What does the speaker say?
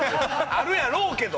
あるやろうけど！